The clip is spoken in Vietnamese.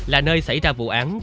là nơi xảy ra vụ án